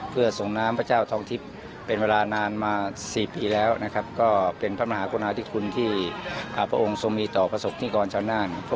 เป็นความปราปื้มที่ได้รับพระมหากรุณาธิคุณอีกครั้งในปีนี้